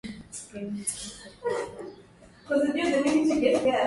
ee inafaa kwa zao lao la pamba